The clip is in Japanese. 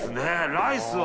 ライスは。